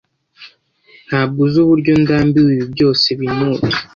Ntabwo uzi uburyo ndambiwe ibi byose binubira.